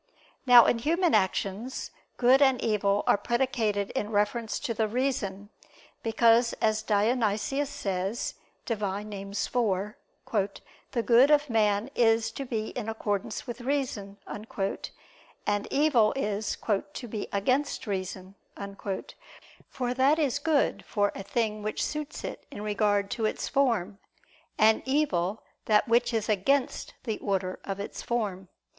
Now in human actions, good and evil are predicated in reference to the reason; because as Dionysius says (Div. Nom. iv), "the good of man is to be in accordance with reason," and evil is "to be against reason." For that is good for a thing which suits it in regard to its form; and evil, that which is against the order of its form.